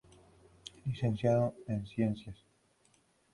Licenciado en Ciencias.